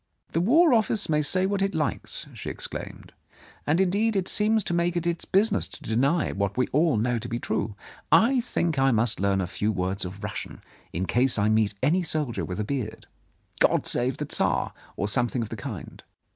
"The War Office may say what it likes," she ex claimed, "and, indeed, it seems to make it its busi ness to deny what we all know to be true. I think I must learn a few words of Russian, in case I meet any soldier with a beard —' God Save the Tsar !' or something of the kind.